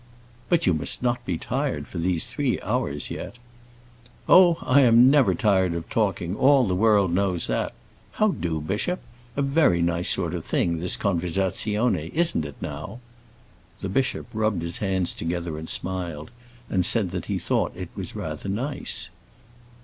"But you must not be tired for these three hours yet." "Oh, I'm never tired of talking; all the world knows that. How do, bishop? A very nice sort of thing this conversazione, isn't it now?" The bishop rubbed his hands together and smiled, and said that he thought it was rather nice.